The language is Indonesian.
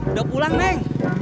udah pulang neng